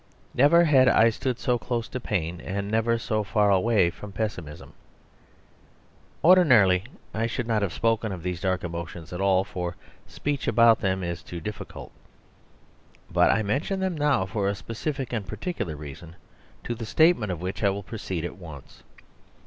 Never had I stood so close to pain; and never so far away from pessimism. Ordinarily, I should not have spoken of these dark emotions at all, for speech about them is too difficult; but I mention them now for a specific and particular reason to the statement of which I will proceed at once.